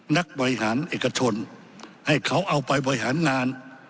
นักบริหารเอกชนให้เขาเอาไปบริหารงาน